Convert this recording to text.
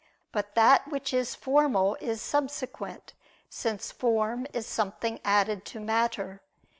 But that which is formal is subsequent; since form is something added to matter.